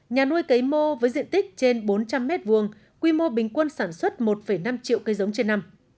nhà nuôi cây mô với diện tích trên bốn trăm linh mét vuông quy mô bình quân sản xuất một năm triệu cây giống trên năm